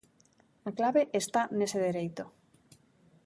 A clave está nese dereito.